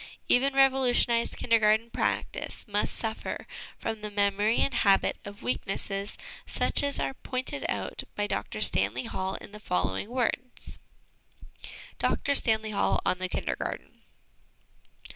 Even revolutionised 198 HOME EDUCATION Kindergarten practice must suffer from the memory and habit of weaknesses such as are pointed out by Dr Stanley Hall in the following words : Dr Stanley HaU on the Kindergarten.